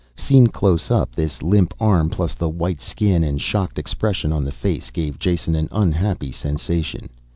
Seen close up this limp arm, plus the white skin and shocked expression on the face, gave Jason an unhappy sensation.